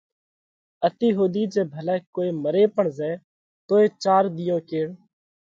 اتِي ۿُوڌِي جي ڀلئہ ڪوئي مري پڻ زائہ توئي چار ۮِيئون ڪيڙ